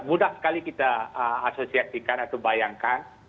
mudah sekali kita asosiasikan atau bayangkan